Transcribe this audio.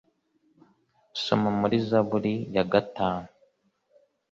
soma muri zaburi ya gatanu